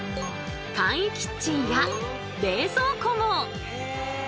簡易キッチンや冷蔵庫も！